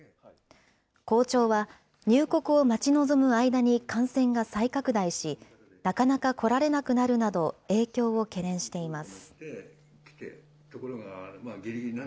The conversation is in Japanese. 校長は、入国を待ち望む間に感染が再拡大し、なかなか来られなくなるなど、影響を懸念しています。